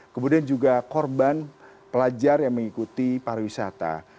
kemudian juga korban pelajar yang mengikuti pariwisata